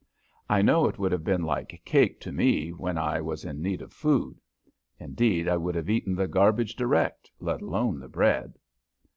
I know it would have been like cake to me when I was in need of food; indeed, I would have eaten the "garbage" direct, let alone the bread.